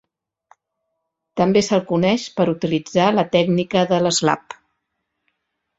També se'l coneix per utilitzar la tècnica de l'slap.